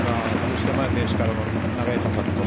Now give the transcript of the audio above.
吉田麻也選手からの長いパス。